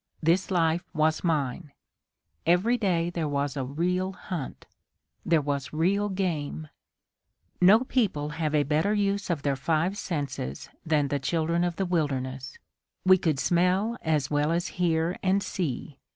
This life was mine. Every day there was a real hunt. There was real game. No people have a better use of their five senses than the children of the wilderness. We could smell as well as hear and see.